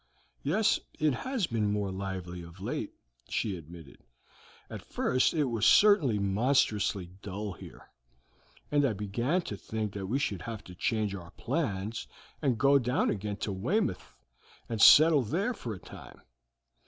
"Yes, it has been more lively of late," she admitted. "At first it was certainly monstrously dull here, and I began to think that we should have to change our plans and go down again to Weymouth, and settle there for a time.